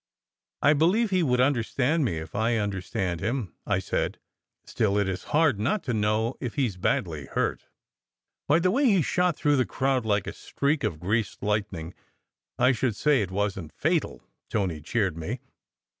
"I believe he would understand me as I understand him," I said. "Still it is hard not to know if he s badly hurt." "By the way he shot through the crowd like a streak of greased lightning, I should say it wasn t fatal," Tony cheered me.